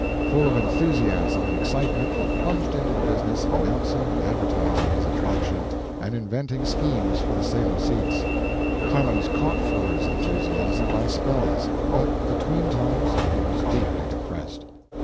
Full of enthusiasm and excitement, he plunged into the business of announcing and advertising his attraction, and inventing schemes for the sale of seats. Clemens caught Fuller's enthusiasm by spells, but between times he was deeply depressed.